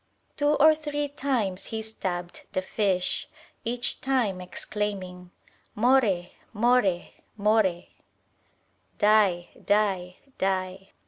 Two or three times he stabbed the fish, each time exclaiming "More, more, more" ("Die, die, die").